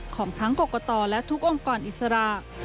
ของทั้งกรกตและทุกองค์กรอิสระ